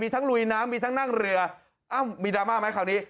ลุยน้ำมีทั้งนั่งเรือมีดราม่าไหมคราวนี้